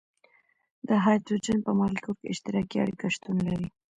د هایدروجن په مالیکول کې اشتراکي اړیکه شتون لري.